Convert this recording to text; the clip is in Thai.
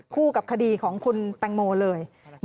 คู่กับคดีของคุณแตงโมเลย